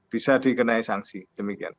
bisa dikenai sanksi demikian